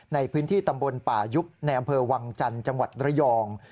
ในพื้นที่ตำบลป่ายุบในอำเภอวังจันทร์จังหวัดระยอง